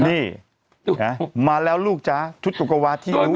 นี่มาแล้วลูกจ๊ะชุดโกโกวาที่อยู่อยากได้